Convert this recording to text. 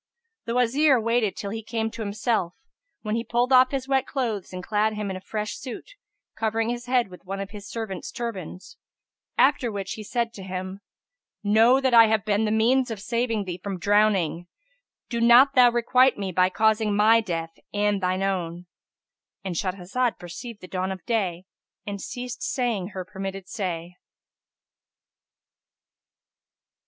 The Wazir waited till he came to himself, when he pulled off his wet clothes and clad him in a fresh suit, covering his head with one of his servants' turbands; after which he said to him, Know that I have been the means of saving thee from drowning: do not thou requite me by causing my death and shine own."ÄAnd Shahrazad perceived the dawn of day and ceased saying her permitted say.